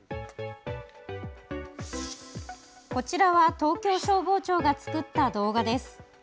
こちらは東京消防庁が作った動画です。